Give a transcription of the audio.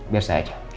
biar saya ajak